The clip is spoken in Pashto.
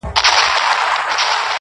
ته چي نه يې، کړي به چي ټکور باڼه